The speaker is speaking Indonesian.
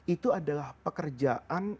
itu adalah pekerjaan